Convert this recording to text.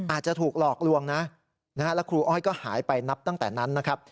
อาจจะถูกหลอกลวงนะแล้วครูอ้อยก็หายไปนับตั้งแต่นั้นนะครับ